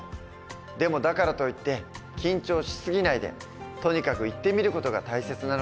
でもだからといって緊張し過ぎないでとにかく行ってみる事が大切なのかもしれない。